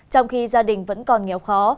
trong khi gia đình vẫn còn nghèo khó